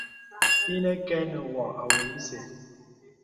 Ìnə kɛ nə wɔ̀ awɔlə ìsɛ.